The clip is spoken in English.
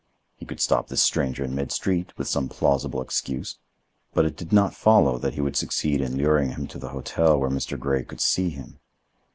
He could stop this stranger in mid street, with some plausible excuse, but it did not follow that he would succeed in luring him to the hotel where Mr. Grey could see him.